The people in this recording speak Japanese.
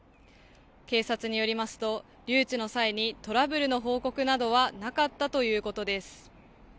警察によりますと留置の際にトラブルの報告などはなかったということです。